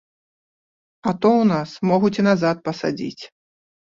А то ў нас могуць і назад пасадзіць.